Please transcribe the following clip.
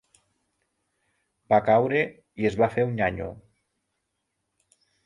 Va caure i es va fer un nyanyo.